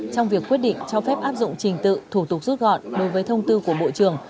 trong việc quyết định cho phép áp dụng trình tự thủ tục rút gọn đối với thông tư của bộ trưởng